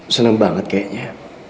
seneng banget kayaknya